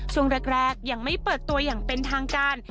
ช่วงแรกยังไม่เปิดตัวอย่างเป็นทางการ